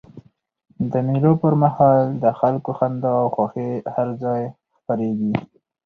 د مېلو پر مهال د خلکو خندا او خوښۍ هر ځای خپریږي.